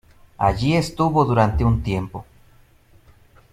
Allí estuvo durante un tiempo.